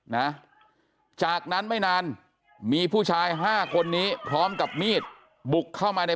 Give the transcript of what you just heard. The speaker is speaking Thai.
นะจากนั้นไม่นานมีผู้ชายห้าคนนี้พร้อมกับมีดบุกเข้ามาใน